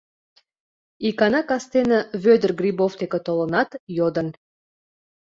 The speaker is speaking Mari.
Икана кастене Вӧдыр Грибов деке толынат, йодын: